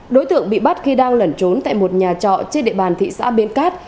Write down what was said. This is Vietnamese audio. đối tượng bị bắt khi đang lẩn trốn tại một nhà trọ trên địa bàn thị xã biên cát